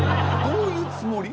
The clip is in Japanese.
「どういうつもり」？